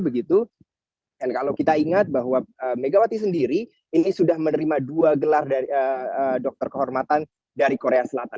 dan kalau kita ingat bahwa megawati sendiri ini sudah menerima dua gelar dokter kehormatan dari korea selatan